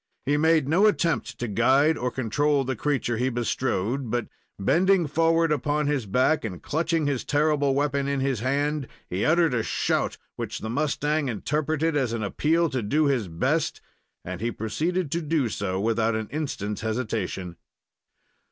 He made no attempt to guide or control the creature he bestrode; but, bending forward upon his back and clutching his terrible weapon in his hand, he uttered a shout, which the mustang interpreted as an appeal to do his best, and he proceeded to do so without an instant's hesitation.